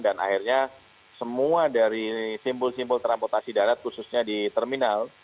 dan akhirnya semua dari simbol simbol teramputasi darat khususnya di terminal